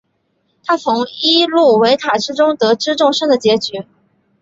他从伊露维塔之中得知众生的结局。